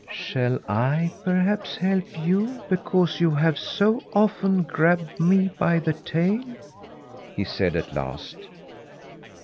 "Shall I perhaps help you because you have so often grabbed me by the tail?" he said at last.